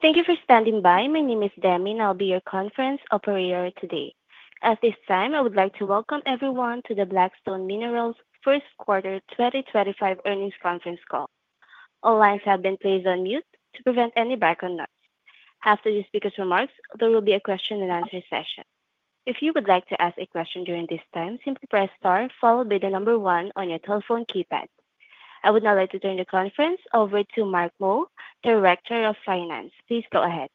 Thank you for standing by. My name is Demi, and I'll be your conference operator today. At this time, I would like to welcome everyone to the Black Stone Minerals first quarter 2025 earnings conference call. All lines have been placed on mute to prevent any background noise. After the speaker's remarks, there will be a question-and-answer session. If you would like to ask a question during this time, simply press star, followed by the number one on your telephone keypad. I would now like to turn the conference over to Mark Meaux, Director of Finance. Please go ahead.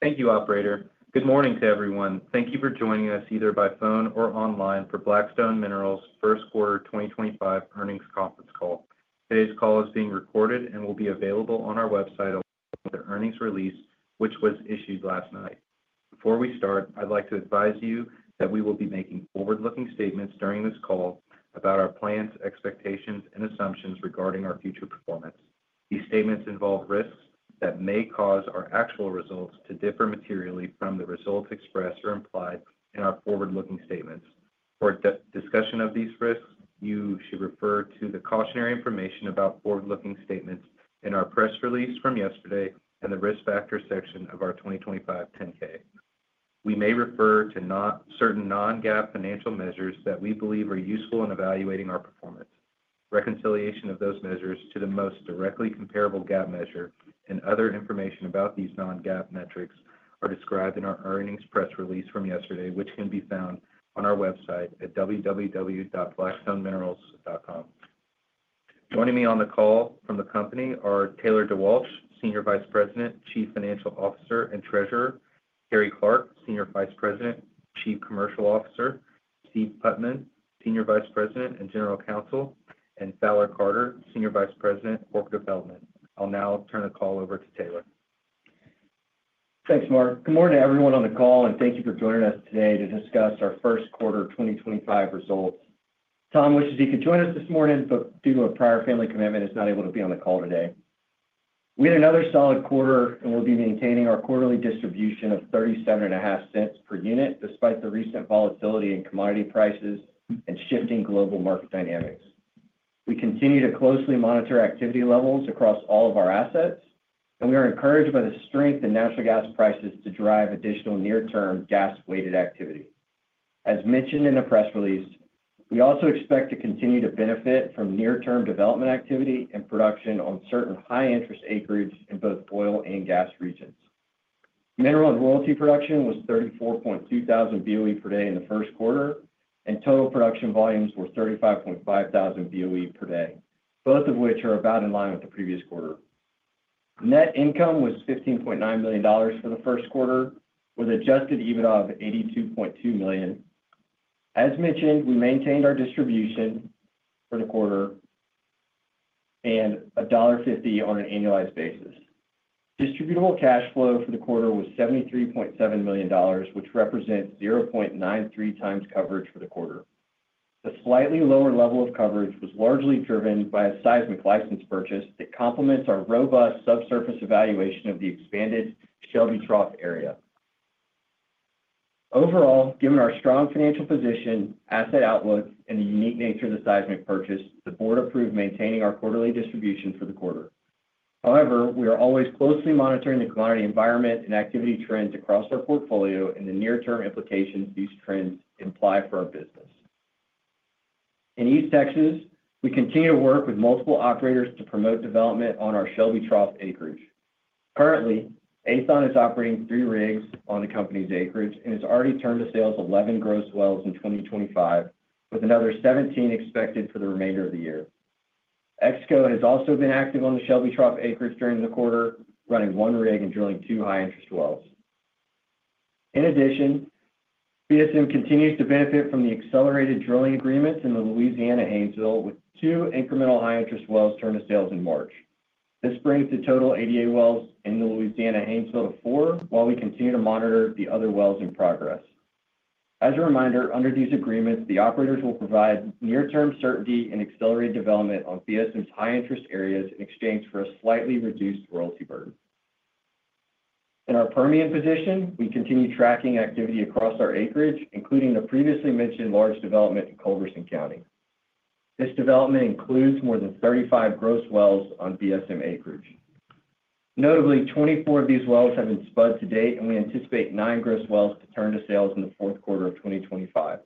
Thank you, Operator. Good morning to everyone. Thank you for joining us either by phone or online for Black Stone Minerals first quarter 2025 earnings conference call. Today's call is being recorded and will be available on our website along with the earnings release, which was issued last night. Before we start, I'd like to advise you that we will be making forward-looking statements during this call about our plans, expectations, and assumptions regarding our future performance. These statements involve risks that may cause our actual results to differ materially from the results expressed or implied in our forward-looking statements. For discussion of these risks, you should refer to the cautionary information about forward-looking statements in our press release from yesterday and the risk factor section of our 2025 10-K. We may refer to certain non-GAAP financial measures that we believe are useful in evaluating our performance. Reconciliation of those measures to the most directly comparable GAAP measure and other information about these non-GAAP metrics are described in our earnings press release from yesterday, which can be found on our website at www.blackstoneminerals.com. Joining me on the call from the company are Taylor DeWalch, Senior Vice President, Chief Financial Officer and Treasurer, Carrie Clark, Senior Vice President, Chief Commercial Officer, Steve Putman, Senior Vice President and General Counsel, and Fowler Carter, Senior Vice President, Corporate Development. I'll now turn the call over to Taylor. Thanks, Mark. Good morning to everyone on the call, and thank you for joining us today to discuss our first quarter 2025 results. Thomas wishes he could join us this morning, but due to a prior family commitment, is not able to be on the call today. We had another solid quarter, and we will be maintaining our quarterly distribution of $0.375 per unit despite the recent volatility in commodity prices and shifting global market dynamics. We continue to closely monitor activity levels across all of our assets, and we are encouraged by the strength in natural gas prices to drive additional near-term gas-weighted activity. As mentioned in the press release, we also expect to continue to benefit from near-term development activity and production on certain high-interest acreages in both oil and gas regions. Mineral and royalty production was 34,200 BOE per day in the first quarter, and total production volumes were 35,500 BOE per day, both of which are about in line with the previous quarter. Net income was $15.9 million for the first quarter, with adjusted EBITDA of $82.2 million. As mentioned, we maintained our distribution for the quarter at $1.50 on an annualized basis. Distributable cash flow for the quarter was $73.7 million, which represents 0.93x coverage for the quarter. The slightly lower level of coverage was largely driven by a seismic license purchase that complements our robust subsurface evaluation of the expanded Shelby Trough area. Overall, given our strong financial position, asset outlook, and the unique nature of the seismic purchase, the board approved maintaining our quarterly distribution for the quarter. However, we are always closely monitoring the commodity environment and activity trends across our portfolio and the near-term implications these trends imply for our business. In East Texas, we continue to work with multiple operators to promote development on our Shelby Trough acreage. Currently, Aethon is operating three rigs on the company's acreage and has already turned to sales 11 gross wells in 2025, with another 17 expected for the remainder of the year. EXCO has also been active on the Shelby Trough acreage during the quarter, running one rig and drilling two high-interest wells. In addition, Black Stone Minerals continues to benefit from the accelerated drilling agreements in the Louisiana Haynesville, with two incremental high-interest wells turned to sales in March. This brings the total high-interest wells in the Louisiana Haynesville to four, while we continue to monitor the other wells in progress. As a reminder, under these agreements, the operators will provide near-term certainty in accelerated development on BSM's high-interest areas in exchange for a slightly reduced royalty burden. In our Permian position, we continue tracking activity across our acreage, including the previously mentioned large development in Culberson County. This development includes more than 35 gross wells on BSM acreage. Notably, 24 of these wells have been spud to date, and we anticipate nine gross wells to turn to sales in the fourth quarter of 2025.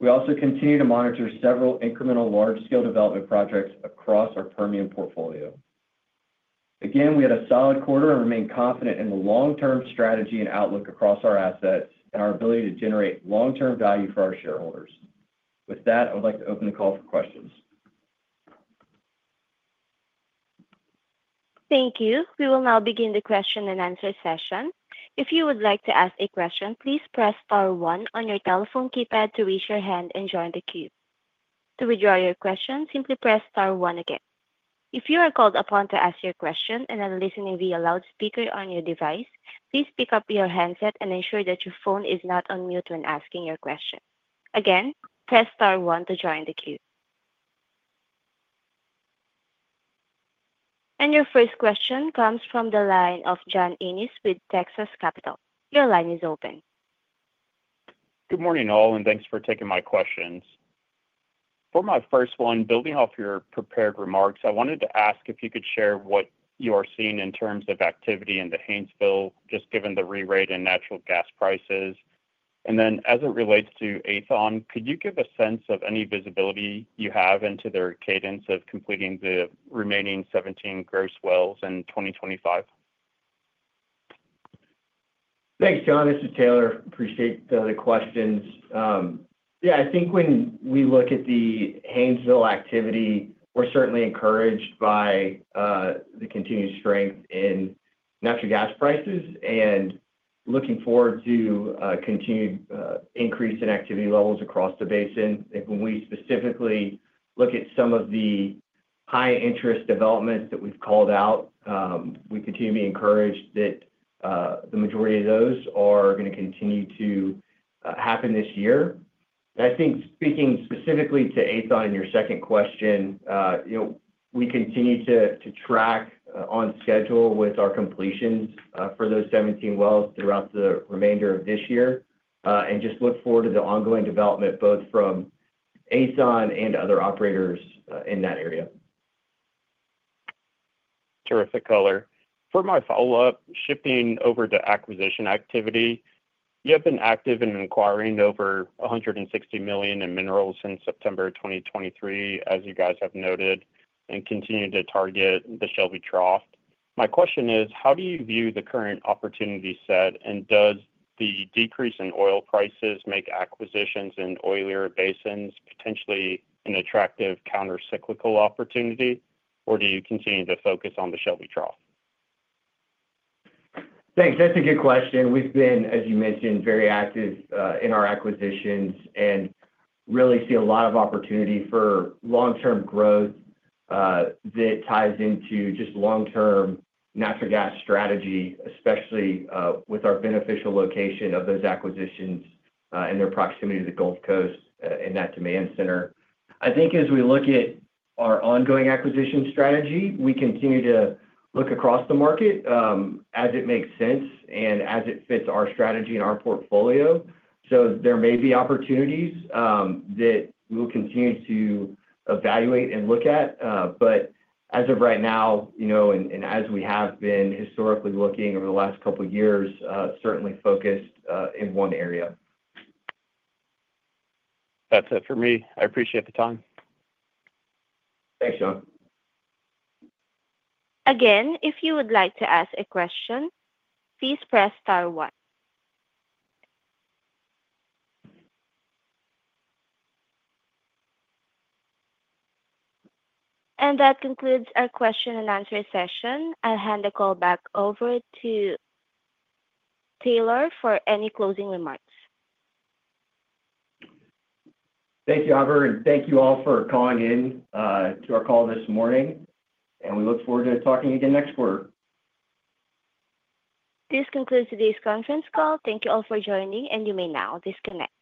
We also continue to monitor several incremental large-scale development projects across our Permian portfolio. Again, we had a solid quarter and remain confident in the long-term strategy and outlook across our assets and our ability to generate long-term value for our shareholders. With that, I would like to open the call for questions. Thank you. We will now begin the question-and-answer session. If you would like to ask a question, please press star one on your telephone keypad to raise your hand and join the queue. To withdraw your question, simply press star one again. If you are called upon to ask your question and are listening via loudspeaker on your device, please pick up your handset and ensure that your phone is not on mute when asking your question. Again, press star one to join the queue. Your first question comes from the line of John Cummings with Texas Capital. Your line is open. Good morning, all, and thanks for taking my questions. For my first one, building off your prepared remarks, I wanted to ask if you could share what you are seeing in terms of activity in the Haynesville, just given the re-rated natural gas prices. Then, as it relates to Aethon, could you give a sense of any visibility you have into their cadence of completing the remaining 17 gross wells in 2025? Thanks, John. This is Taylor. Appreciate the questions. Yeah, I think when we look at the Haynesville activity, we're certainly encouraged by the continued strength in natural gas prices and looking forward to continued increase in activity levels across the basin. When we specifically look at some of the high-interest developments that we've called out, we continue to be encouraged that the majority of those are going to continue to happen this year. I think speaking specifically to Aethon in your second question, we continue to track on schedule with our completions for those 17 wells throughout the remainder of this year and just look forward to the ongoing development both from Aethon and other operators in that area. Terrific, Color. For my follow-up, shifting over to acquisition activity, you have been active in acquiring over $160 million in minerals since September 2023, as you guys have noted, and continue to target the Shelby Trough. My question is, how do you view the current opportunity set, and does the decrease in oil prices make acquisitions in oilier basins potentially an attractive countercyclical opportunity, or do you continue to focus on the Shelby Trough? Thanks. That's a good question. We've been, as you mentioned, very active in our acquisitions and really see a lot of opportunity for long-term growth that ties into just long-term natural gas strategy, especially with our beneficial location of those acquisitions and their proximity to the Gulf Coast and that demand center. I think as we look at our ongoing acquisition strategy, we continue to look across the market as it makes sense and as it fits our strategy and our portfolio. There may be opportunities that we'll continue to evaluate and look at, but as of right now, and as we have been historically looking over the last couple of years, certainly focused in one area. That's it for me. I appreciate the time. Thanks, John. Again, if you would like to ask a question, please press star one. That concludes our question-and-answer session. I'll hand the call back over to Taylor for any closing remarks. Thank you, Olivier, and thank you all for calling in to our call this morning, and we look forward to talking again next quarter. This concludes today's conference call. Thank you all for joining, and you may now disconnect.